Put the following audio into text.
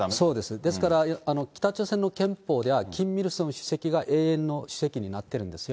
ですから北朝鮮の憲法ではキム・イルソン主席が永遠の主席になってるんですよ。